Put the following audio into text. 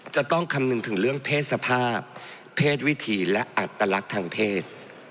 จะต้องคำนึงถึงเรื่องเพศสภาพเพศวิธีและอัตลักษณ์ทางเพศ